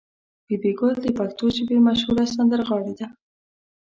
بي بي ګل د پښتو ژبې مشهوره سندرغاړې ده.